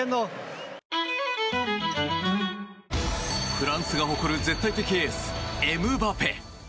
フランスが誇る絶対的エースエムバペ。